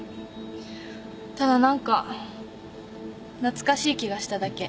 ただ何か懐かしい気がしただけ。